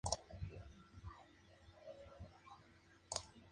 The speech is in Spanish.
Aunque su doctrina se ha clasificado como cínica, presenta rasgos cercanos al hedonismo.